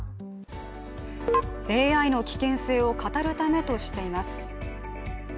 ＡＩの危険性を語るためとしています。